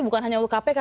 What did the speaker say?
badan hanya untuk kpk